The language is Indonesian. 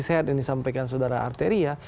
sehat yang disampaikan saudara arteria